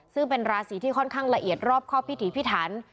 ซึ่งเป็นราศีที่ค่อนข้างละเอียดรอบครอบพิถีพิถัน